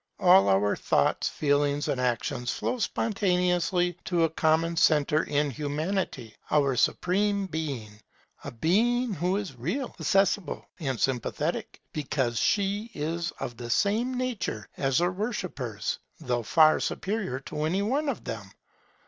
All our thoughts, feelings, and actions flow spontaneously to a common centre in Humanity, our Supreme Being; a Being who is real, accessible, and sympathetic, because she is of the same nature as her worshippers, though far superior to any one of them.